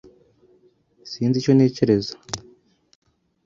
Sinzi icyo ntekereza.